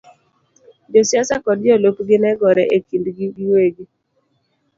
Josiasa kod jolupgi ne gore e kindgi giwegi,